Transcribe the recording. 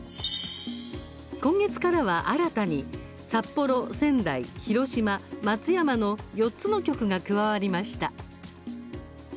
今月からは新たに札幌、仙台、広島、松山の４つの局が加わりました。